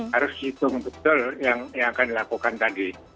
harus dihitung betul yang akan dilakukan tadi